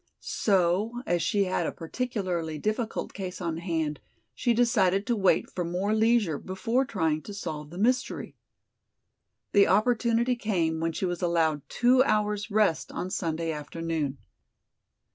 So as she had a particularly difficult case on hand she decided to wait for more leisure before trying to solve the mystery. The opportunity came when she was allowed two hours rest on Sunday afternoon.